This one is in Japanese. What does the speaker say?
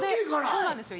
そうなんですよ